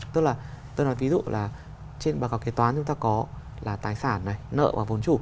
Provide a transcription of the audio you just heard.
tức là tôi nói ví dụ là trên báo cáo kế toán chúng ta có là tài sản này nợ và vốn chủ